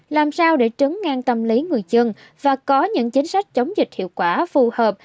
làm sao để trấn ngang tâm lý người chân và có những chính sách chống dịch hiệu quả phù hợp